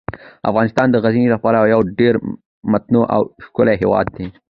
افغانستان د غزني له پلوه یو ډیر متنوع او ښکلی هیواد دی.